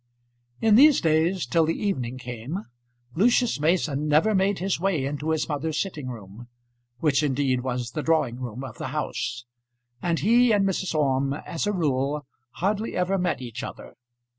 In these days, till the evening came, Lucius Mason never made his way into his mother's sitting room, which indeed was the drawing room of the house, and he and Mrs. Orme, as a rule, hardly ever met each other.